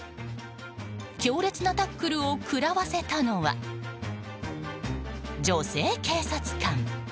強烈なタックルを食らわせたのは女性警察官。